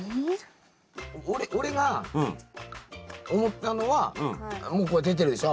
俺が思ったのはもうこれ出てるでしょ